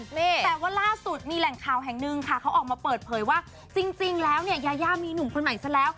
แต่ว่าล่าสุดมีแหล่งข่าวแห่งหนึ่งค่ะเขาออกมาเปิดเผยว่าจริงแล้วเนี่ยยายามีหนุ่มคนใหม่ซะแล้ว